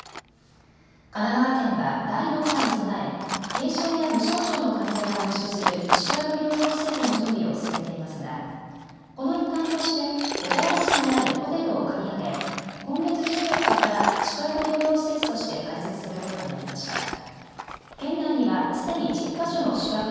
神奈川県は第６波に備え軽症や無症状の患者が入所する宿泊療養施設の準備を進めていますがこの一環として小田原市にあるホテルを借り上げ今月１４日から宿泊療養施設として開設することになりました。